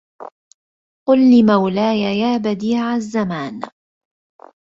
قل لمولاي يا بديع الزمان